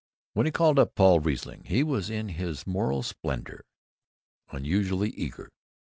When he called up Paul Riesling he was, in his moral splendor, unusually eager.